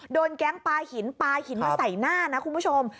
โดนแก๊งปลาหินปลาหินมาใส่หน้านะคุณผู้ชม